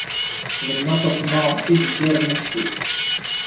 D nna Faḍma i yeggaren ustu.